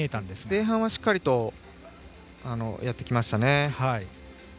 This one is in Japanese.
前半はしっかりとやってきましたね。